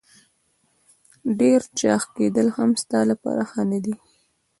ډېر چاغ کېدل هم ستا لپاره ښه نه دي.